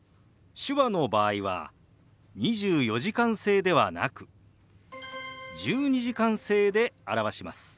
手話の場合は２４時間制ではなく１２時間制で表します。